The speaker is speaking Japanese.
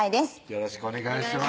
よろしくお願いします